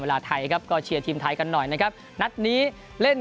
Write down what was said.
เวลาไทยครับก็เชียร์ทีมไทยกันหน่อยนะครับนัดนี้เล่น